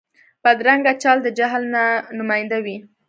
بدرنګه چال د جهل نماینده وي